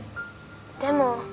でも。